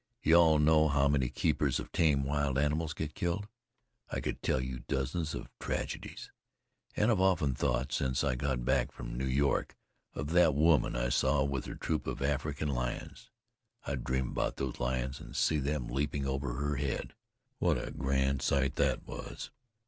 You all know how many keepers of tame wild animals get killed. I could tell you dozens of tragedies. And I've often thought, since I got back from New York, of that woman I saw with her troop of African lions. I dream about those lions, and see them leaping over her head. What a grand sight that was!